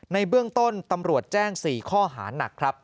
ในเบื้องต้นตำรวจแจ้ง๔ข้อหานักครับ